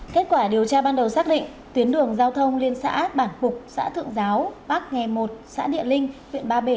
kết quả điều tra ban đầu xác định tuyến đường giao thông liên xã bản phục xã thượng giáo bắc nghề một xã địa linh huyện ba bể